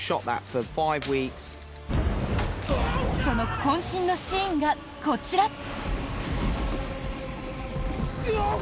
そのこん身のシーンがこちら。